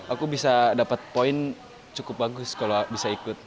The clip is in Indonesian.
aku bisa dapat poin cukup bagus kalau bisa ikut